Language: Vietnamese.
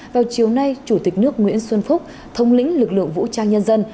vào chiều nay chủ tịch nước nguyễn xuân phúc thống lĩnh lực lượng vũ trang nhân dân